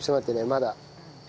まだ。